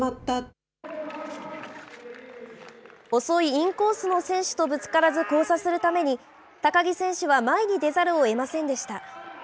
遅いインコースの選手とぶつからず交差するために、高木選手は前に出ざるをえませんでした。